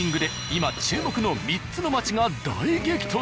今注目の３つの街が大激突。